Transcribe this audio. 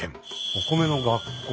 「お米の楽校」。